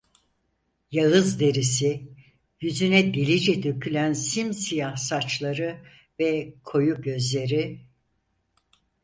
Yağız derisi, yüzüne delice dökülen simsiyah saçları ve koyu gözleri…